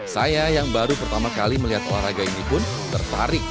saya yang baru pertama kali melihat olahraga ini pun tertarik